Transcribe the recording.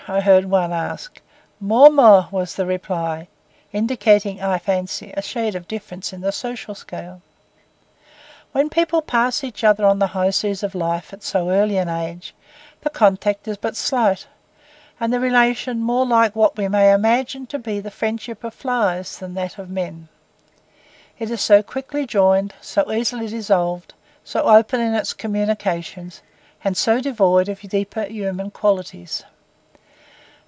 I heard one ask. 'Mawmaw,' was the reply, indicating, I fancy, a shade of difference in the social scale. When people pass each other on the high seas of life at so early an age, the contact is but slight, and the relation more like what we may imagine to be the friendship of flies than that of men; it is so quickly joined, so easily dissolved, so open in its communications and so devoid of deeper human qualities.